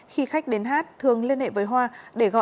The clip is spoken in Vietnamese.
khi khách đến hát thường liên lạc với khách hát karaoke nana